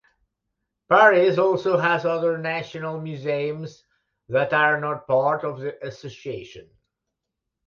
Paris also has other national museums that are not part of the association.